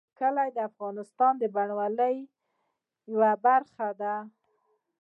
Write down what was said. کلي د افغانستان د بڼوالۍ یوه برخه ده.